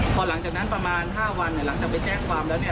พอหลังจากนั้นประมาณ๕วันหลังจากไปแจ้งความแล้วเนี่ย